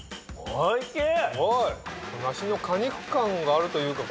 おいしい。